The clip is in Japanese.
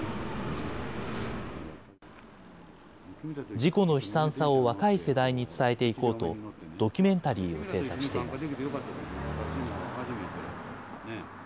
事故の悲惨さを若い世代に伝えていこうと、ドキュメンタリーを制作しています。